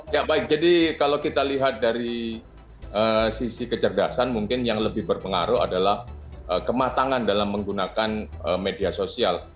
ya baik jadi kalau kita lihat dari sisi kecerdasan mungkin yang lebih berpengaruh adalah kematangan dalam menggunakan media sosial